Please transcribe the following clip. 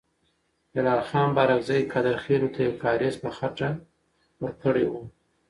جلال خان بارکزی قادرخیلو ته یو کارېز په خټه ورکړی وو.